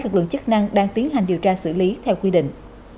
lực lượng chức năng đang tiến hành điều tra xử lý theo quy định